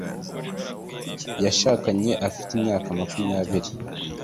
Yashakanye afite imyaka makumyabiri nibiri